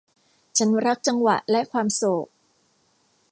ฉันรักจังหวะและความโศก